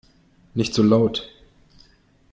Nicht so laut!